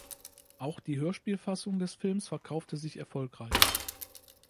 Auch die Hörspielfassung des Films verkaufte sich erfolgreich.